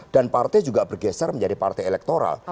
dan partai juga bergeser menjadi partai elektoral